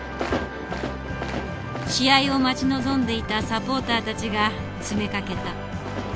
試合を待ち望んでいたサポーターたちが詰めかけた。